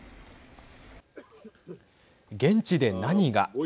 現地で何が。